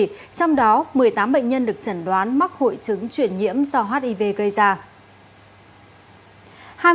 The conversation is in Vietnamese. trong đó một mươi tám bệnh nhân được chẩn đoán mắc hội chứng chuyển nhiễm do hiv gây ra